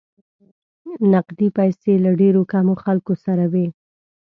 نقدې پیسې له ډېرو کمو خلکو سره وې.